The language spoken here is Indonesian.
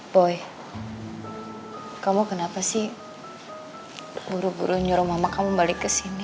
boy kamu kenapa sih buru buru nyuruh mama kamu balik ke sini